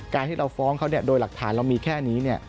การที่เราฟ้องเขาโดยหลักฐานเรามีแค่นี้